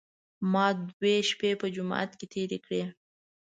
ما دوې شپې په جومات کې تېرې کړې.